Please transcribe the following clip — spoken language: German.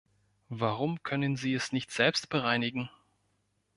Warum können Sie es nicht selbst bereinigen?